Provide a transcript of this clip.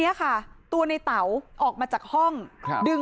มีชายแปลกหน้า๓คนผ่านมาทำทีเป็นช่วยค่างทาง